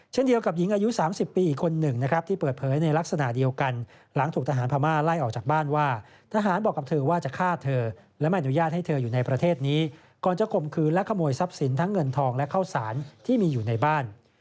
เดียวกับหญิงอายุ๓๐ปีอีกคนหนึ่งนะครับที่เปิดเผยในลักษณะเดียวกันหลังถูกทหารพม่าไล่ออกจากบ้านว่าทหารบอกกับเธอว่าจะฆ่าเธอและไม่อนุญาตให้เธออยู่ในประเทศนี้ก่อนจะข่มขืนและขโมยทรัพย์สินทั้งเงินทองและข้าวสารที่มีอยู่ในบ้าน